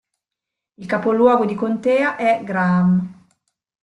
Il capoluogo di contea è Graham.